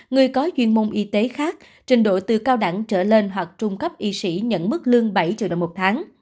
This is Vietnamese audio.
người có chuyên môn y tế khác trình độ từ cao đẳng trở lên hoặc trung cấp y sĩ nhận mức lương bảy triệu đồng một tháng